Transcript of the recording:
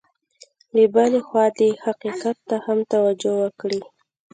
له بلې خوا دې حقیقت ته هم توجه وکړي.